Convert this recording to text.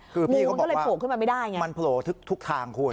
คือพี่เขาบอกว่ามันโผล่ทุกทางคุณ